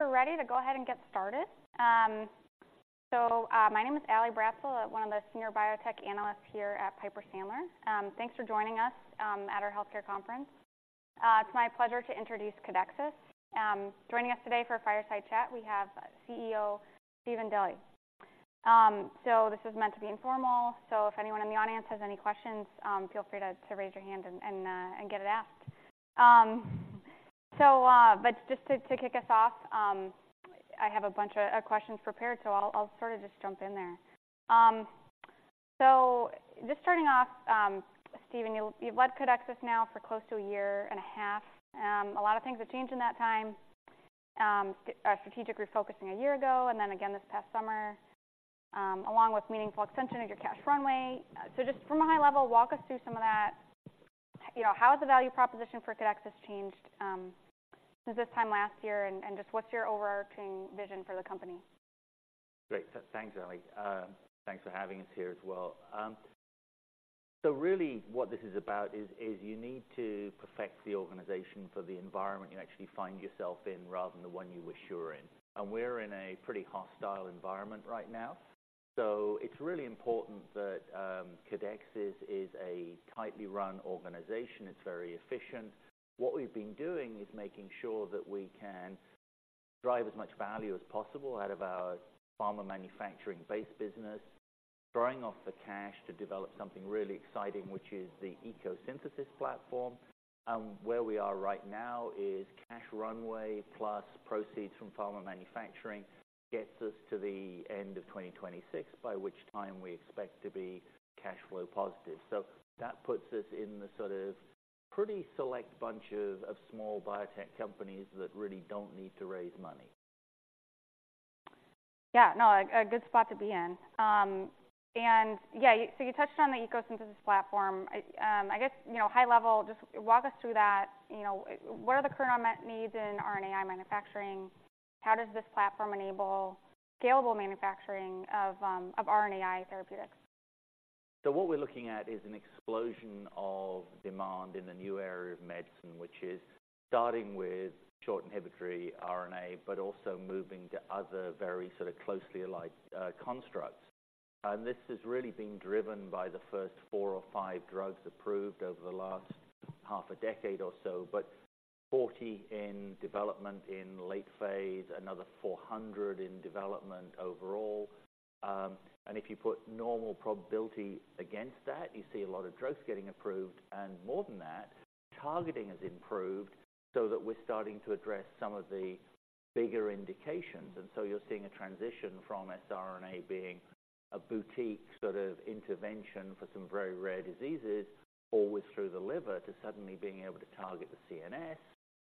We're ready to go ahead and get started. My name is Allison Bratzel. I'm one of the senior biotech analysts here at Piper Sandler. Thanks for joining us at our healthcare conference. It's my pleasure to introduce Codexis. Joining us today for a fireside chat, we have CEO, Stephen Dilly. So this is meant to be informal, so if anyone in the audience has any questions, feel free to raise your hand and get it asked. But just to kick us off, I have a bunch of questions prepared, so I'll sort of just jump in there. Just starting off, Stephen, you've led Codexis now for close to a year and a half. A lot of things have changed in that time. A strategic refocusing a year ago and then again this past summer, along with meaningful extension of your cash runway. So just from a high level, walk us through some of that. You know, how has the value proposition for Codexis changed, since this time last year, and, and just what's your overarching vision for the company? Great. So thanks, Ally. Thanks for having us here as well. So really what this is about is you need to perfect the organization for the environment you actually find yourself in, rather than the one you wish you were in. And we're in a pretty hostile environment right now, so it's really important that Codexis is a tightly run organization. It's very efficient. What we've been doing is making sure that we can drive as much value as possible out of our pharma manufacturing base business, throwing off the cash to develop something really exciting, which is the ECO Synthesis platform. And where we are right now is cash runway, plus proceeds from pharma manufacturing gets us to the end of 2026, by which time we expect to be cash flow positive. That puts us in the sort of pretty select bunches of small biotech companies that really don't need to raise money. Yeah. No, a good spot to be in. And yeah, so you touched on the ECO Synthesis platform. I guess, you know, high level, just walk us through that. You know, what are the current needs in RNAi manufacturing? How does this platform enable scalable manufacturing of RNAi therapeutics? So what we're looking at is an explosion of demand in the new area of medicine, which is starting with short inhibitory RNA, but also moving to other very sort of closely alike, constructs. This has really been driven by the first 4 or 5 drugs approved over the last half a decade or so, but 40 in development in late phase, another 400 in development overall. If you put normal probability against that, you see a lot of drugs getting approved. More than that, targeting has improved so that we're starting to address some of the bigger indications. So you're seeing a transition from siRNA being a boutique sort of intervention for some very rare diseases, always through the liver, to suddenly being able to target the CNS,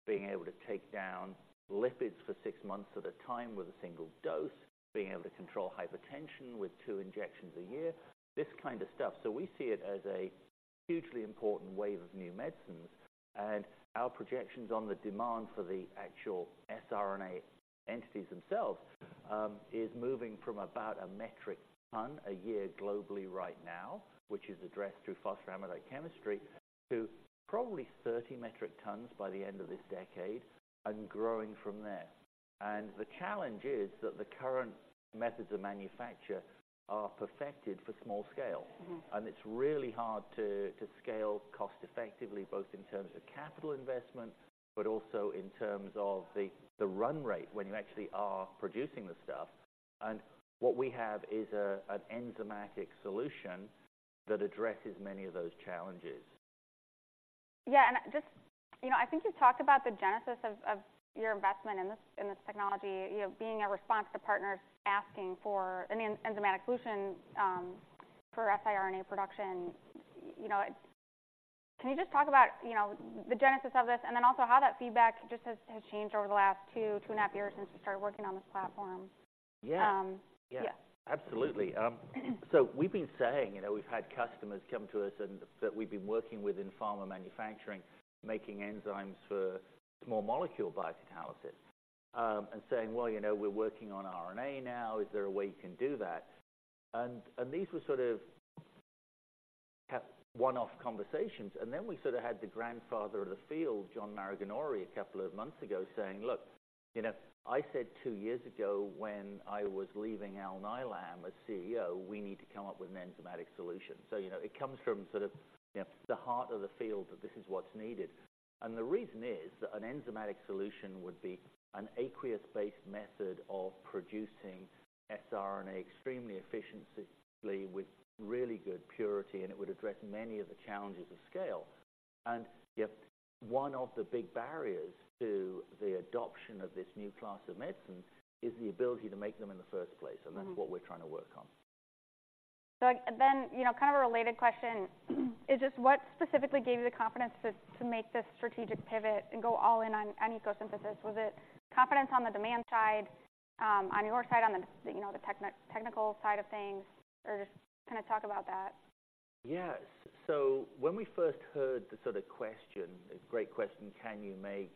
being able to take down lipids for six months at a time with a single dose, being able to control hypertension with two injections a year, this kind of stuff. We see it as a hugely important wave of new medicines, and our projections on the demand for the actual siRNA entities themselves is moving from about a metric ton a year globally right now, which is addressed through phosphoramidite chemistry, to probably 30 metric tons by the end of this decade and growing from there. The challenge is that the current methods of manufacture are perfected for small scale- It's really hard to scale cost effectively, both in terms of capital investment, but also in terms of the run rate when you actually are producing the stuff. And what we have is an enzymatic solution that addresses many of those challenges. Yeah, and just, you know, I think you've talked about the genesis of your investment in this technology, you know, being a response to partners asking for an enzymatic solution for siRNA production. You know, can you just talk about, you know, the genesis of this and then also how that feedback just has changed over the last 2.5 years since you started working on this platform? Yeah. Um, yeah. Absolutely. So we've been saying, you know, we've had customers come to us and that we've been working with in pharma manufacturing, making enzymes for small molecule biocatalysis, and saying: Well, you know, we're working on RNA now. Is there a way you can do that? And these were sort of half one-off conversations, and then we sort of had the grandfather of the field, John Maraganore, a couple of months ago saying, "Look, you know, I said two years ago when I was leaving Alnylam as CEO, we need to come up with an enzymatic solution." So, you know, it comes from sort of, you know, the heart of the field that this is what's needed. The reason is that an enzymatic solution would be an aqueous-based method of producing siRNA extremely efficiently, with really good purity, and it would address many of the challenges of scale. And yet one of the big barriers to the adoption of this new class of medicines is the ability to make them in the first place. That's what we're trying to work on. So then, you know, kind of a related question, is just what specifically gave you the confidence to make this strategic pivot and go all in on ECO Synthesis? Was it confidence on the demand side, on your side, on the, you know, the technical side of things, or just... Kind of talk about that. Yes. So when we first heard the sort of question, a great question: Can you make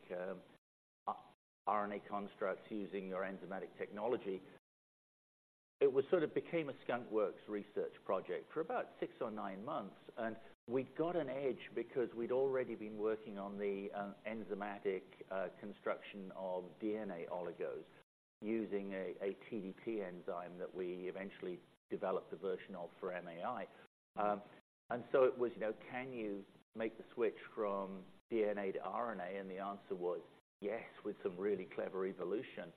RNA constructs using your enzymatic technology? It was sort of became a skunkworks research project for about 6 or 9 months, and we'd got an edge because we'd already been working on the enzymatic construction of DNA oligos, using a TdT enzyme that we eventually developed a version of for RNAi. And so it was, you know, can you make the switch from DNA to RNA? And the answer was yes, with some really clever evolution.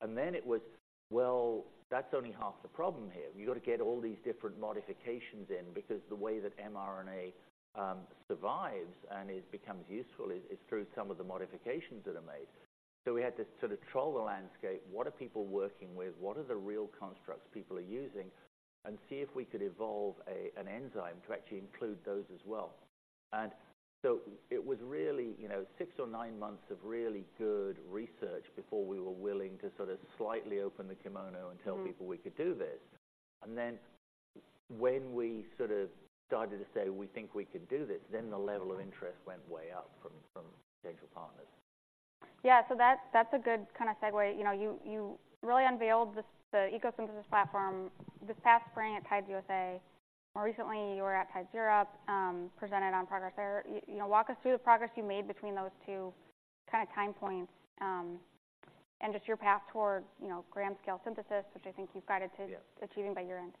And then it was, well, that's only half the problem here. You've got to get all these different modifications in because the way that mRNA survives and it becomes useful is through some of the modifications that are made. So we had to sort of troll the landscape, what are people working with? What are the real constructs people are using? And see if we could evolve an enzyme to actually include those as well. And so it was really, you know, 6 or 9 months of really good research before we were willing to sort of slightly open the kimono. And tell people we could do this. And then when we sort of started to say, "We think we could do this," then the level of interest went way up from potential partners. Yeah. So that's, that's a good kind of segue. You know, you, you really unveiled this, the ECO Synthesis platform this past spring at TIDES USA. More recently, you were at TIDES Europe, presented on progress there. You know, walk us through the progress you made between those two kind of time points, and just your path toward, you know, gram scale synthesis, which I think you've guided to- Yeah achieving by year-end.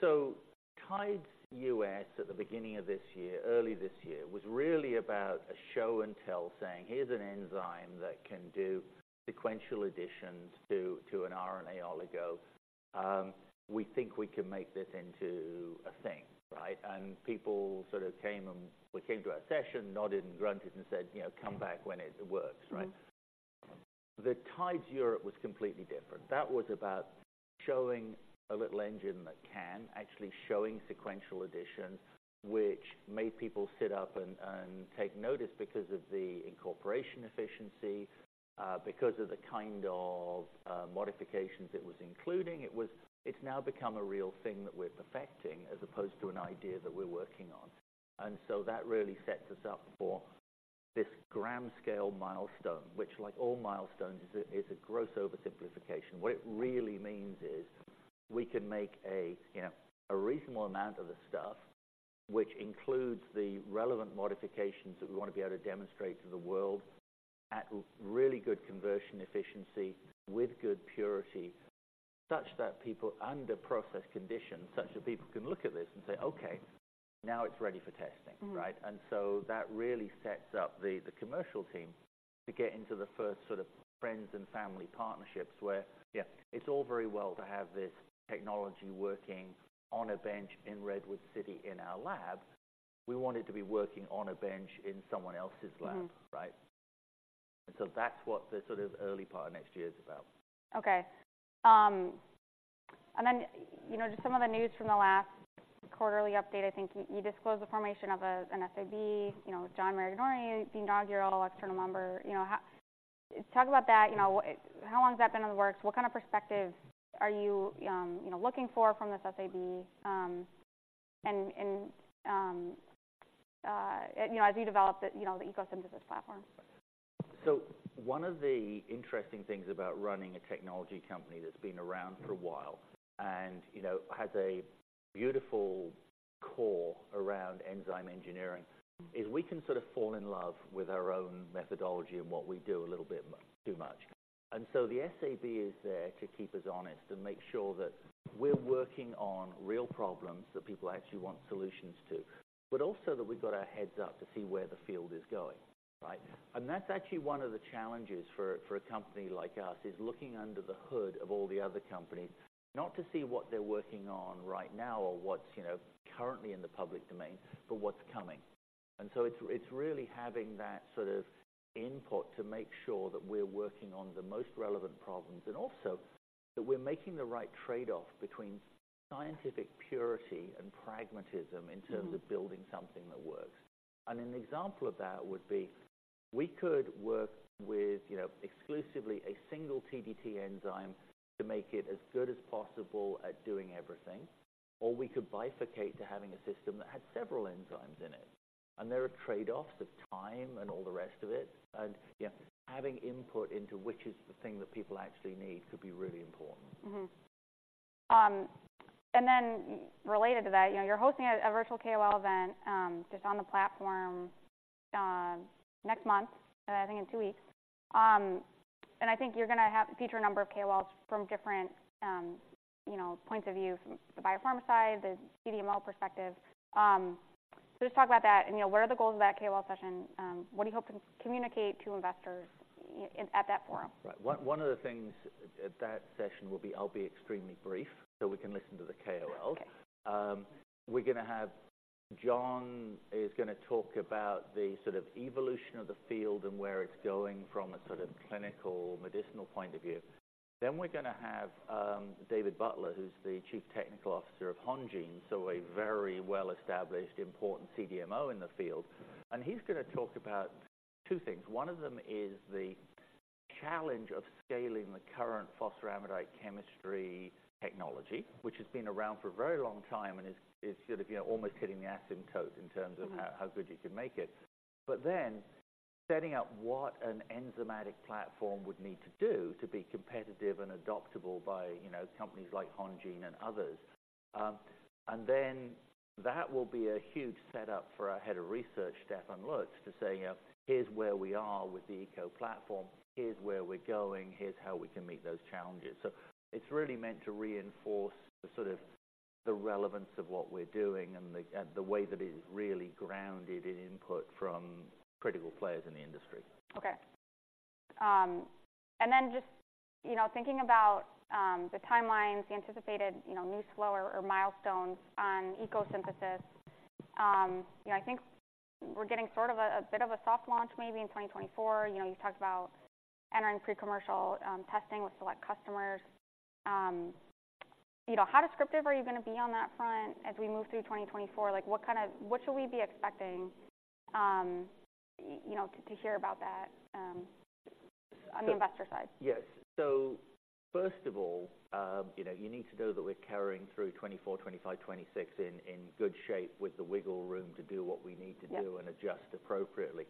So TIDES US at the beginning of this year, early this year, was really about a show and tell, saying: Here's an enzyme that can do sequential additions to, to an RNA oligo. We think we can make this into a thing, right? And people sort of came and—well, came to our session, nodded and grunted and said, you know, "Come back when it works," right? The TIDES Europe was completely different. That was about showing a little engine that can, actually showing sequential additions, which made people sit up and take notice because of the incorporation efficiency, because of the kind of modifications it was including. It was. It's now become a real thing that we're perfecting, as opposed to an idea that we're working on. And so that really sets us up for this gram scale milestone, which, like all milestones, is a gross oversimplification. What it really means is we can make a, you know, a reasonable amount of the stuff, which includes the relevant modifications that we want to be able to demonstrate to the world at really good conversion efficiency, with good purity, such that people under process conditions, such that people can look at this and say, "Okay, now it's ready for testing. Right? And so that really sets up the commercial team to get into the first sort of friends and family partnerships, where, yeah, it's all very well to have this technology working on a bench in Redwood City in our lab. We want it to be working on a bench in someone else's lab right? And so that's what the sort of early part of next year is about. Okay. And then, you know, just some of the news from the last quarterly update, I think you disclosed the formation of an SAB, you know, John Maraganore, the inaugural external member. You know, how to talk about that, you know, how long has that been in the works? What kind of perspective are you, you know, looking for from this SAB, and you know, as you develop the, you know, the ECO Synthesis platform? So one of the interesting things about running a technology company that's been around for a while and, you know, has a beautiful core around enzyme engineering, is we can sort of fall in love with our own methodology and what we do a little bit too much. And so the SAB is there to keep us honest and make sure that we're working on real problems that people actually want solutions to, but also that we've got our heads up to see where the field is going, right? And that's actually one of the challenges for a company like us, is looking under the hood of all the other companies, not to see what they're working on right now or what's, you know, currently in the public domain, but what's coming. And so it's really having that sort of input to make sure that we're working on the most relevant problems and also that we're making the right trade-off between scientific purity and pragmatism-... in terms of building something that works. And an example of that would be, we could work with, you know, exclusively a single TdT enzyme to make it as good as possible at doing everything, or we could bifurcate to having a system that had several enzymes in it. And there are trade-offs of time and all the rest of it, and, yeah, having input into which is the thing that people actually need could be really important. And then related to that, you know, you're hosting a virtual KOL event, just on the platform, next month, I think in two weeks. And I think you're gonna have feature a number of KOLs from different, you know, points of view, from the biopharma side, the CDMO perspective. So just talk about that, and, you know, what are the goals of that KOL session? What do you hope to communicate to investors at that forum? Right. One of the things at that session will be, I'll be extremely brief, so we can listen to the KOL. Okay. We're gonna have... John is gonna talk about the sort of evolution of the field and where it's going from a sort of clinical, medicinal point of view. Then we're gonna have, David Butler, who's the Chief Technology Officer of Hongene, so a very well-established, important CDMO in the field. And he's gonna talk about two things. One of them is the challenge of scaling the current phosphoramidite chemistry technology, which has been around for a very long time and is sort of, you know, almost hitting the asymptote in terms of-... how good you can make it. But then setting up what an enzymatic platform would need to do to be competitive and adoptable by, you know, companies like Hongene and others. And then that will be a huge setup for our Head of Research, Stefan Lutz, to say, you know, "Here's where we are with the eco platform. Here's where we're going, here's how we can meet those challenges." So it's really meant to reinforce the sort of relevance of what we're doing and the way that it is really grounded in input from critical players in the industry. Okay. And then just, you know, thinking about the timelines, the anticipated, you know, news flow or milestones on ECO Synthesis. You know, I think we're getting sort of a bit of a soft launch maybe in 2024. You know, you talked about entering pre-commercial testing with select customers. You know, how descriptive are you gonna be on that front as we move through 2024? Like, what should we be expecting, you know, to hear about that on the investor side? Yes. So first of all, you know, you need to know that we're carrying through 2024, 2025, 2026 in good shape with the wiggle room to do what we need to do. Yeah... and adjust appropriately.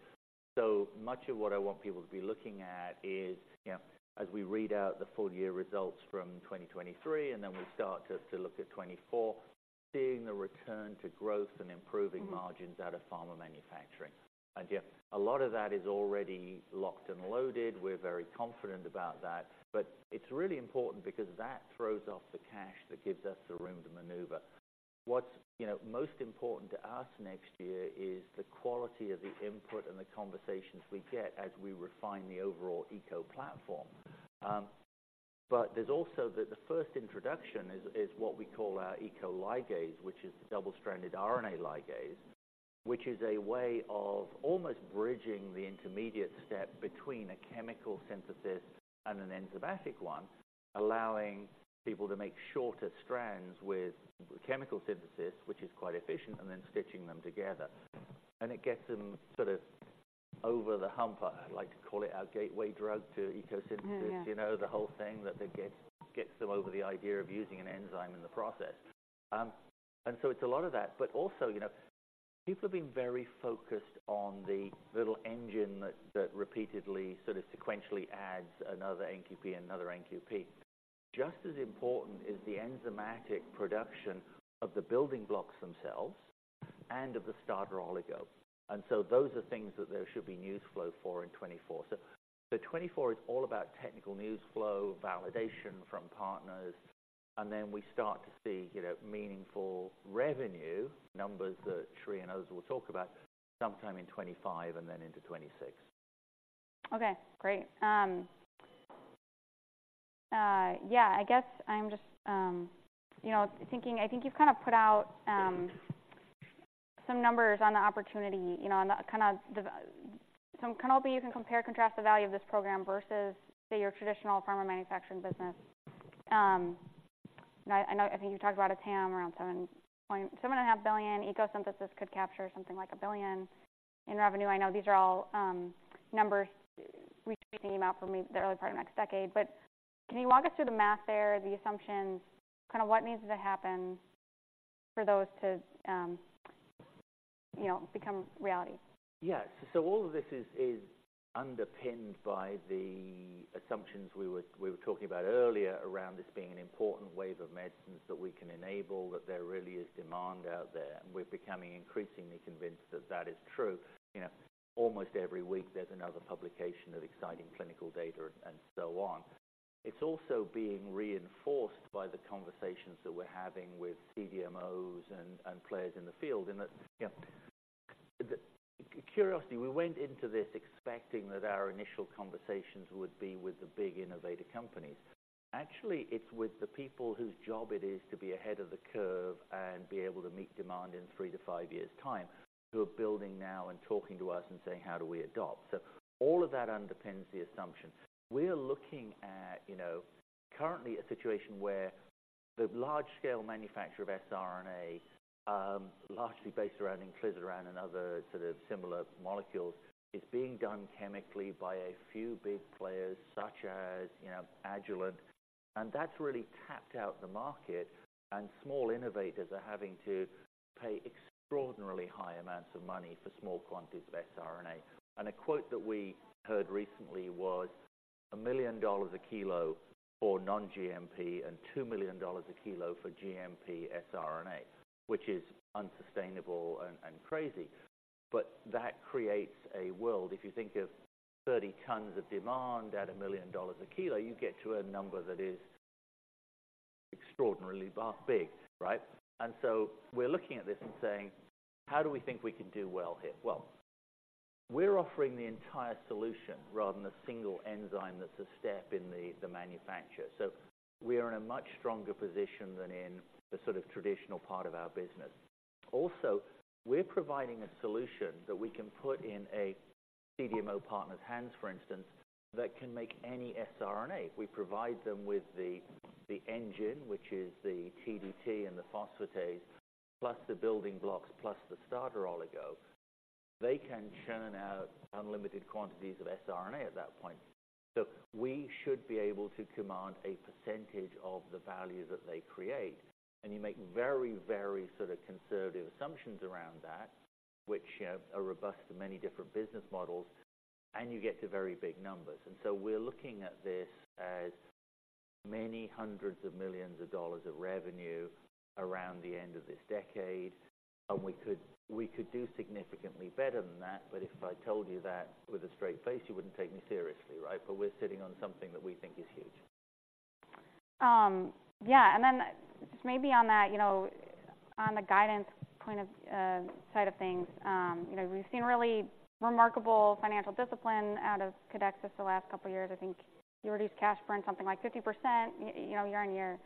So much of what I want people to be looking at is, you know, as we read out the full year results from 2023, and then we start to look at 2024, seeing the return to growth and improving marginsout of pharma manufacturing. And, yeah, a lot of that is already locked and loaded. We're very confident about that, but it's really important because that throws off the cash that gives us the room to maneuver. What's, you know, most important to us next year is the quality of the input and the conversations we get as we refine the overall ECO platform. But there's also the first introduction is what we call our ECO Ligase, which is the double-stranded RNA ligase, which is a way of almost bridging the intermediate step between a chemical synthesis and an enzymatic one, allowing people to make shorter strands with chemical synthesis, which is quite efficient, and then stitching them together. And it gets them sort of over the hump. I like to call it our gateway drug to ECO Synthesis. Yeah. You know, the whole thing that gets them over the idea of using an enzyme in the process. And so it's a lot of that, but also, you know, people have been very focused on the little engine that repeatedly sort of sequentially adds another NTP and another NTP. Just as important is the enzymatic production of the building blocks themselves and of the starter oligo. And so those are things that there should be news flow for in 2024. So, 2024 is all about technical news flow, validation from partners, and then we start to see, you know, meaningful revenue numbers that Sri and others will talk about sometime in 2025 and then into 2026. Okay, great. Yeah, I guess I'm just, you know, thinking... I think you've kind of put out some numbers on the opportunity, you know, on the kind of the. So kind of maybe you can compare and contrast the value of this program versus, say, your traditional pharma manufacturing business. I know, I think you talked about a TAM around $7 billion-$7.5 billion. Ecosynthesis could capture something like $1 billion in revenue. I know these are all numbers, which came out from the early part of next decade, but can you walk us through the math there, the assumptions, kind of what needs to happen for those to, you know, become reality? Yeah. So all of this is underpinned by the assumptions we were talking about earlier around this being an important wave of medicines that we can enable, that there really is demand out there, and we're becoming increasingly convinced that that is true. You know, almost every week there's another publication of exciting clinical data and so on. It's also being reinforced by the conversations that we're having with CDMOs and players in the field, and that, you know, out of curiosity, we went into this expecting that our initial conversations would be with the big innovative companies. Actually, it's with the people whose job it is to be ahead of the curve and be able to meet demand in 3-5 years' time, who are building now and talking to us and saying: How do we adopt? So all of that underpins the assumption. We are looking at, you know, currently a situation where the large scale manufacturer of siRNA, largely based around inclisiran and other sort of similar molecules, is being done chemically by a few big players, such as, you know, Agilent, and that's really tapped out the market, and small innovators are having to pay extraordinarily high amounts of money for small quantities of siRNA. And a quote that we heard recently was: "$1 million a kilo for non-GMP and $2 million a kilo for GMP siRNA," which is unsustainable and, and crazy. But that creates a world, if you think of 30 tons of demand at $1 million a kilo, you get to a number that is extraordinarily big, right? And so we're looking at this and saying: How do we think we can do well here? Well, we're offering the entire solution rather than a single enzyme that's a step in the manufacture. So we are in a much stronger position than in the sort of traditional part of our business. Also, we're providing a solution that we can put in a CDMO partner's hands, for instance, that can make any siRNA. We provide them with the engine, which is the TdT and the phosphatase, plus the building blocks, plus the starter oligo. They can churn out unlimited quantities of siRNA at that point. So we should be able to command a percentage of the value that they create, and you make very, very sort of conservative assumptions around that, which are robust to many different business models, and you get to very big numbers. And so we're looking at this as $many hundreds of millions of revenue around the end of this decade. We could, we could do significantly better than that, but if I told you that with a straight face, you wouldn't take me seriously, right? But we're sitting on something that we think is huge. Yeah, and then just maybe on that, you know, on the guidance point of, side of things, you know, we've seen really remarkable financial discipline out of Codexis the last couple of years. I think you reduced cash burn something like 50%, you know, year-over-year.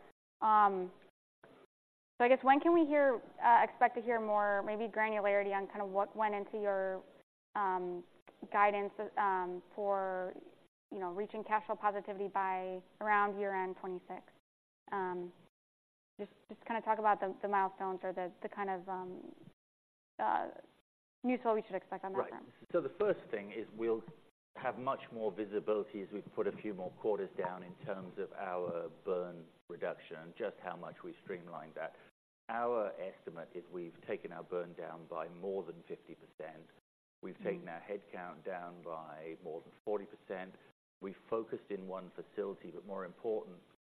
So I guess when can we expect to hear more, maybe granularity on kind of what went into your, guidance, for, you know, reaching cash flow positivity by around year-end 2026? Just kind of talk about the milestones or the kind of, newsflow we should expect on that front. Right. So the first thing is we'll have much more visibility as we put a few more quarters down in terms of our burn reduction and just how much we streamlined that. Our estimate is we've taken our burn down by more than 50%. We've taken our headcount down by more than 40%. We've focused in one facility, but more important,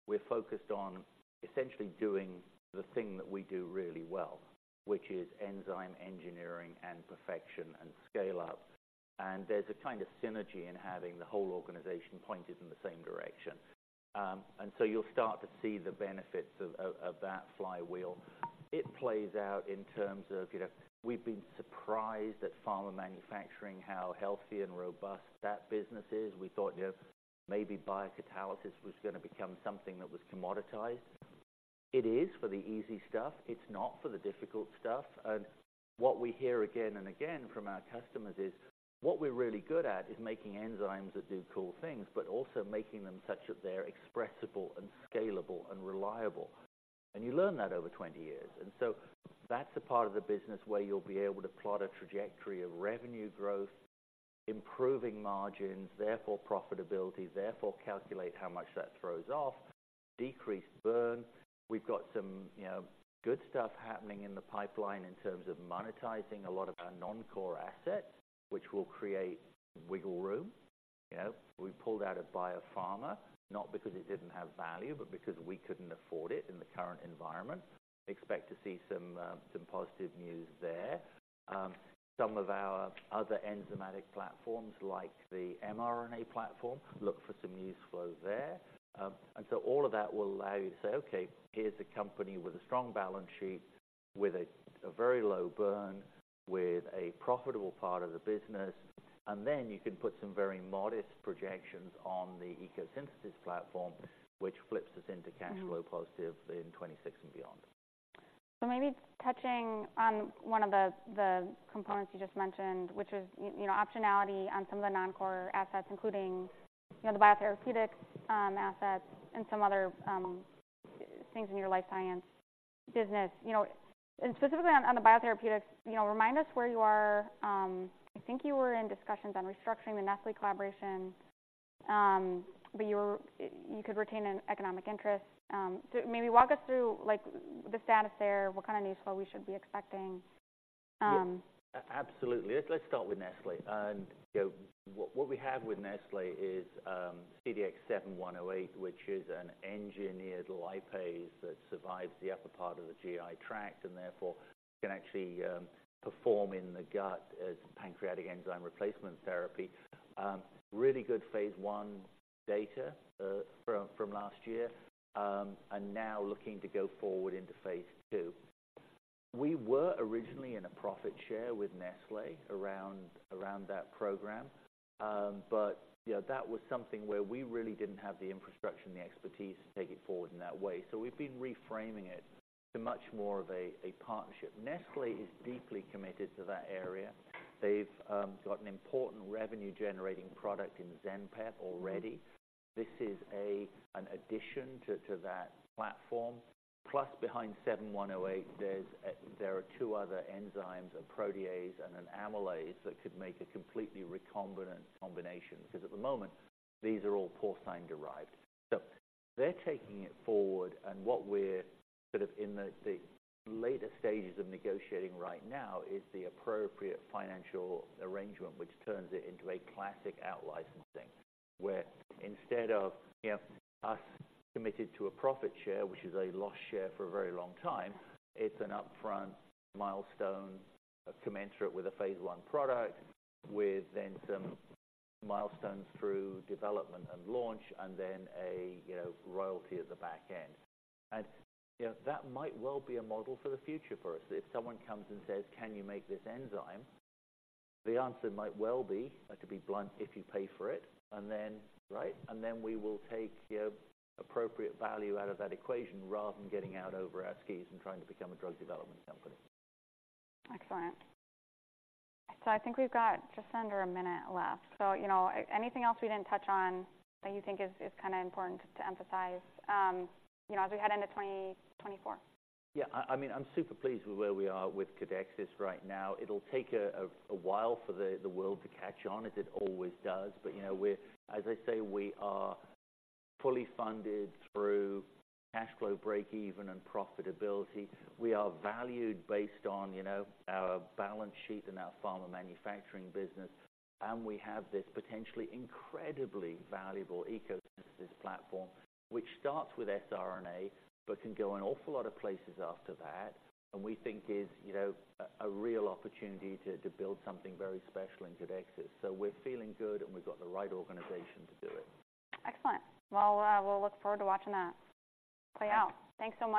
we're focused on essentially doing the thing that we do really well, which is enzyme engineering and perfection and scale-up. And there's a kind of synergy in having the whole organization pointed in the same direction. So you'll start to see the benefits of that flywheel. It plays out in terms of, you know, we've been surprised at pharma manufacturing, how healthy and robust that business is. We thought, you know, maybe biocatalysis was gonna become something that was commoditized. It is for the easy stuff. It's not for the difficult stuff. What we hear again and again from our customers is, what we're really good at is making enzymes that do cool things, but also making them such that they're expressible and scalable and reliable. You learn that over 20 years. So that's a part of the business where you'll be able to plot a trajectory of revenue growth, improving margins, therefore profitability, therefore calculate how much that throws off, decreased burn. We've got some, you know, good stuff happening in the pipeline in terms of monetizing a lot of our non-core assets, which will create wiggle room. You know, we pulled out of Biopharma, not because it didn't have value, but because we couldn't afford it in the current environment. Expect to see some positive news there. Some of our other enzymatic platforms, like the mRNA platform, look for some news flow there. And so all of that will allow you to say, "Okay, here's a company with a strong balance sheet, with a, a very low burn, with a profitable part of the business," and then you can put some very modest projections on the ECO Synthesis platform, which flips us into cash flow positive in 2026 and beyond. So maybe touching on one of the components you just mentioned, which is, you know, optionality on some of the non-core assets, including, you know, the biotherapeutics assets and some other things in your life science business. You know, and specifically on the biotherapeutics, you know, remind us where you are. I think you were in discussions on restructuring the Nestlé collaboration, but you could retain an economic interest. So maybe walk us through, like, the status there, what kind of newsflow we should be expecting. Absolutely. Let's start with Nestlé. And, you know, what we have with Nestlé is CDX-7108, which is an engineered lipase that survives the upper part of the GI tract, and therefore can actually perform in the gut as pancreatic enzyme replacement therapy. Really good phase 1 data from last year, and now looking to go forward into phase 2. We were originally in a profit share with Nestlé around that program, but, you know, that was something where we really didn't have the infrastructure and the expertise to take it forward in that way. So we've been reframing it to much more of a partnership. Nestlé is deeply committed to that area. They've got an important revenue-generating product in Zenpep already. This is an addition to that platform. Plus, behind CDX-7108, there are two other enzymes, a protease and an amylase, that could make a completely recombinant combination, because at the moment, these are all porcine-derived. So they're taking it forward, and what we're sort of in the later stages of negotiating right now is the appropriate financial arrangement, which turns it into a classic out-licensing, where instead of, you know, us committed to a profit share, which is a loss share for a very long time, it's an upfront milestone commensurate with a phase 1 product, with then some milestones through development and launch, and then a, you know, royalty at the back end. And, you know, that might well be a model for the future for us. If someone comes and says, "Can you make this enzyme?" The answer might well be, to be blunt, "If you pay for it," and then... Right? And then we will take the appropriate value out of that equation, rather than getting out over our skis and trying to become a drug development company. Excellent. I think we've got just under a minute left. You know, anything else we didn't touch on that you think is kind of important to emphasize, you know, as we head into 2024? Yeah, I mean, I'm super pleased with where we are with Codexis right now. It'll take a while for the world to catch on, as it always does. But, you know, we're, as I say, we are fully funded through cash flow, break even, and profitability. We are valued based on, you know, our balance sheet and our pharma manufacturing business, and we have this potentially incredibly valuable ECO Synthesis platform, which starts with siRNA, but can go an awful lot of places after that, and we think is, you know, a real opportunity to build something very special in Codexis. So we're feeling good, and we've got the right organization to do it. Excellent. Well, we'll look forward to watching that play out. Thanks so much-